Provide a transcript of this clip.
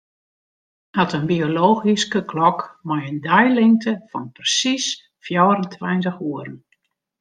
Nimmen hat in biologyske klok mei in deilingte fan persiis fjouwerentweintich oeren.